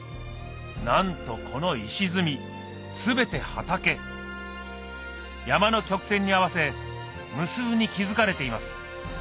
なんとこの石積み全て畑山の曲線に合わせ無数に築かれています